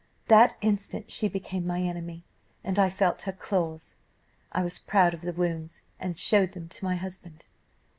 That instant, she became my enemy, and I felt her claws. I was proud of the wounds, and showed them to my husband.